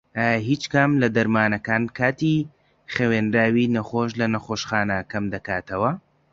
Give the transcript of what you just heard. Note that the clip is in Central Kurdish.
ئایا هیچ کام لە دەرمانەکان کاتی خەوێنراوی نەخۆش لە نەخۆشخانە کەمدەکاتەوە؟